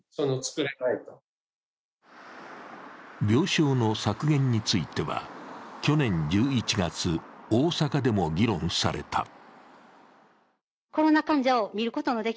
病床の削減については去年１１月、大阪でも議論された。